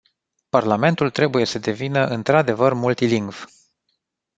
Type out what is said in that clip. Parlamentul trebuie să devină într-adevăr multilingv.